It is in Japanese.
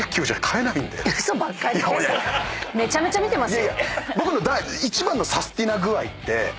めちゃめちゃ見てますよ。